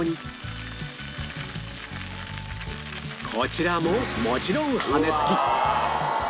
こちらももちろん羽根付き